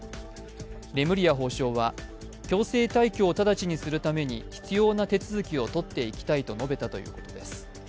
レムリヤ法相は強制退去を直ちにするために必要な手続きをとっていきたいと述べたということです。